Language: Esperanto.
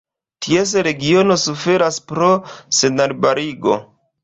Ties regiono suferas pro senarbarigo.